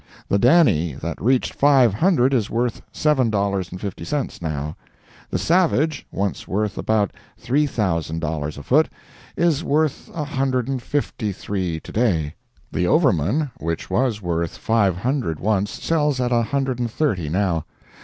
The Daney, that reached five hundred, is worth seven dollars and fifty cents now. The Savage, once worth about three thousand dollars a foot, is worth a hundred and fifty three to day. The Overman, which was worth five hundred once, sells at a hundred and thirty now.